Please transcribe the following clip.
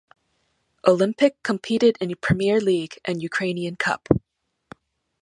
Olimpik competed in Premier League and Ukrainian Cup.